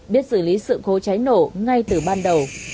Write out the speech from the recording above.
biết xử lý sự cố cháy nổ ngay từ ban đầu